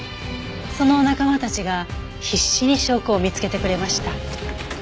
その仲間たちが必死に証拠を見つけてくれました。